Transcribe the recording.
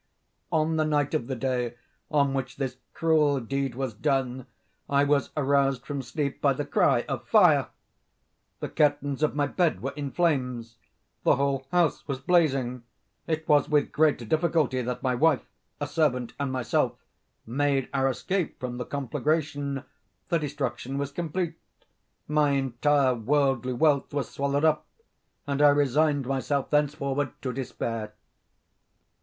On the night of the day on which this cruel deed was done, I was aroused from sleep by the cry of fire. The curtains of my bed were in flames. The whole house was blazing. It was with great difficulty that my wife, a servant, and myself, made our escape from the conflagration. The destruction was complete. My entire worldly wealth was swallowed up, and I resigned myself thenceforward to despair.